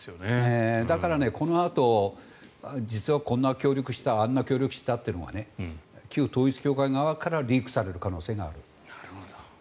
だからこのあと実はこんな協力したあんな協力したというのは旧統一教会側からリークされる可能性がある。